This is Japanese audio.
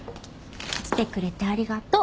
来てくれてありがと！